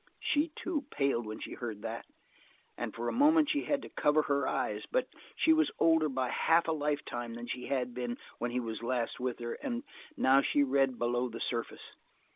She, too, paled when she heard that, and for a moment she had to cover her eyes, but she was older by half a life time than she had been when he was last with her, and now she read below the surface.